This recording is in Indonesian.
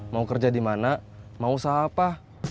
mau kerja dimana mau usaha apa